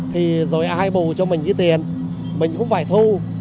thì rồi ai bù cho mình cái tiền mình cũng phải thu